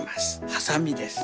はさみです。